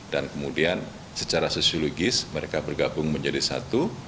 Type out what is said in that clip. dan kemudian secara sosiologis mereka bergabung menjadi satu